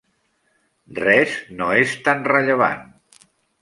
Res no és tan rellevant.